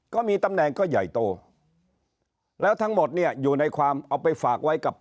ก็มีตำแหน่งก็ใหญ่โตแล้วทั้งหมดเนี่ยอยู่ในความเอาไปฝากไว้กับ